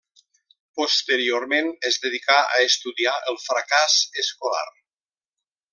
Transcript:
Posteriorment es dedicà a estudiar el fracàs escolar.